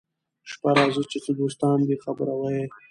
شپه راځي چي څه دوستان دي خبروه يې